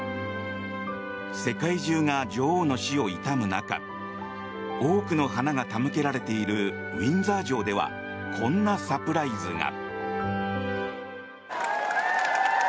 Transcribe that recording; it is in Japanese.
世界中が女王の死を悼む中多くの花が手向けられているウィンザー城ではこんなサプライズが。